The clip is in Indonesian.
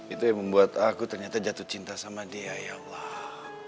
itu yang membuat aku ternyata jatuh cinta sama dia ya allah